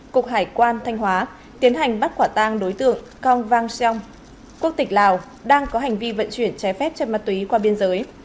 bộ hải quan thanh hóa tiến hành bắt quả tang đối tượng cong vang xiong quốc tịch lào đang có hành vi vận chuyển trái phép trên ma túy qua biên giới